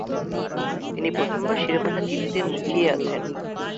যিনি প্রথমবার শিরোপাটা জিততে মুখিয়ে আছেন।